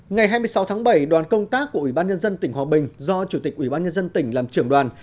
ngày hai mươi sáu tháng bảy đoàn công tác của ubnd tỉnh hòa bình do chủ tịch ubnd tỉnh làm trưởng đoàn